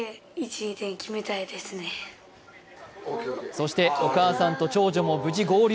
そしてお母さんと長女も無事、合流。